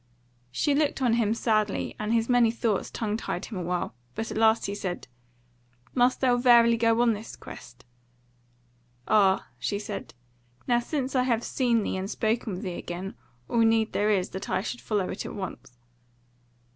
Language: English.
She looked on him sadly, and his many thoughts tongue tied him a while; but at last he said: "Must thou verily go on this quest?" "Ah," she said, "now since I have seen thee and spoken with thee again, all need there is that I should follow it at once."